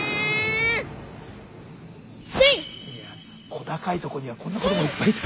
小高いとこにはこんな子どもいっぱいいた。